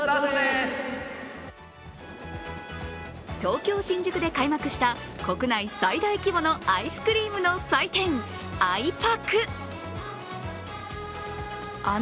東京・新宿で開幕した国内最大規模のアイスクリームの祭典あ